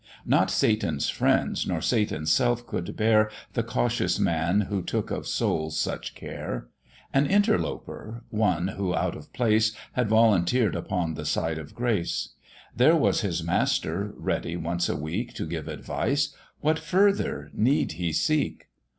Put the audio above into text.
Not Satan's friends, nor Satan's self could bear, The cautious man who took of souls such care; An interloper, one who, out of place, Had volunteered upon the side of grace: There was his master ready once a week To give advice; what further need he seek?